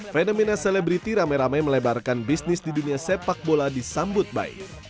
fenomena selebriti rame rame melebarkan bisnis di dunia sepak bola disambut baik